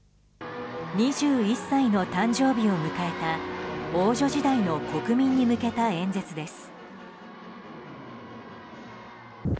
２１歳の誕生日を迎えた王女時代の国民に向けた演説です。